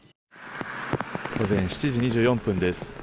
午前７時２４分です。